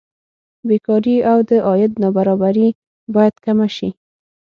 بېکاري او د عاید نابرابري باید کمه شي.